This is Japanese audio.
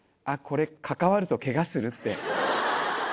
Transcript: あっこれ関わるとケガするって。